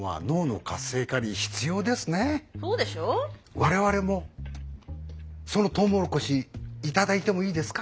我々もそのとうもろこし頂いてもいいですか？